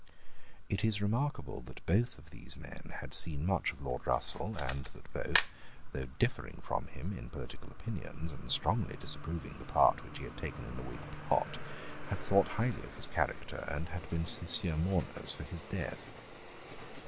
It is remarkable that both these men had seen much of Lord Russell, and that both, though differing from him in political opinions, and strongly disapproving the part which he had taken in the Whig plot, had thought highly of his character, and had been sincere mourners for his death.